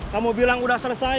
kamu bilang udah selesai